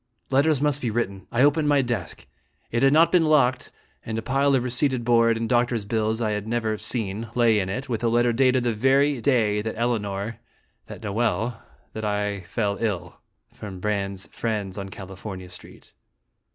Letters must be written. I opened my desk. It had not been locked, and a pile of receipted board and doctor's bills I had never seen lay in it, with a letter dated the very day that Elinor that Noel that I fell ill, from Brande's friends on California Street.